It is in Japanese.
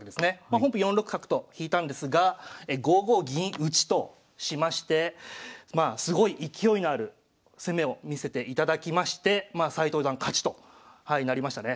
本譜４六角と引いたんですが５五銀打としましてすごい勢いのある攻めを見せていただきまして斎藤四段勝ちとなりましたね。